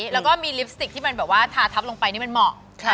แล้วก็มีลิปสติกที่มันแบบว่าทาทับลงไปนี่มันเหมาะ